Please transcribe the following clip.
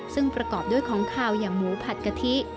ซึ่งประกอบด้วยของขาวอย่างหมูผัดกะทิ